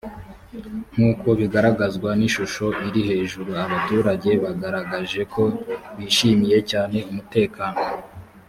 nk uko bigaragzwa n ishusho iri hejuru abaturage bagaragaje ko bishimiye cyane umutekano